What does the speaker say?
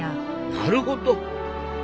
なるほど。